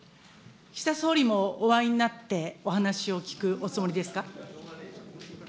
岸田総理もお会いになってお話を聞くおつもりですか。